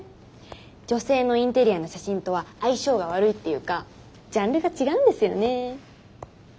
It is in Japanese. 女性のインテリアの写真とは相性が悪いっていうかジャンルが違うんですよねー。